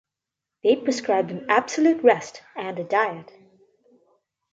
They prescribe him absolute rest and a diet.